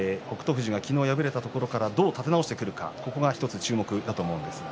富士が昨日敗れたところからどう立て直してくるかが注目だと思いますが。